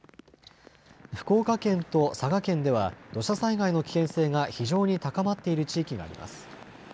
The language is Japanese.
福岡県と佐賀県では土砂災害の危険性が非常に高まっている地域があります。